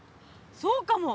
そうかも！